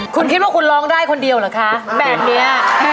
คุณคิดว่าคุณร้องได้คนเดียวเหรอคะแบบนี้